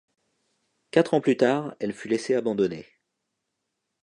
Quatre ans plus tard, elle fut laissée abandonnée.